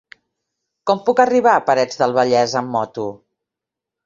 Com puc arribar a Parets del Vallès amb moto?